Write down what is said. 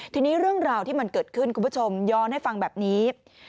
ทีนี้เรื่องราวที่มันเกิดขึ้นคุณผู้ชมย้อนให้ฟังแบบนี้